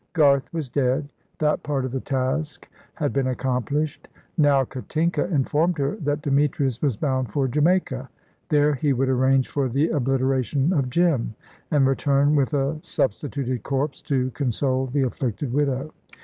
Garth was dead. That part of the task had been accomplished. Now, Katinka informed her that Demetrius was bound for Jamaica. There he would arrange for the obliteration of Jim, and return with a substituted corpse to console the afflicted widow.